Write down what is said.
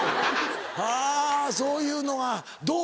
はぁそういうのはどう？